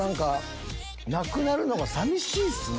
なくなるのが寂しいっすね。